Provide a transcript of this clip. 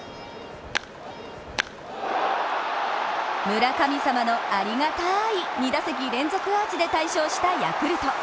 村神様のありがたい２打席連続アーチで大勝したヤクルト。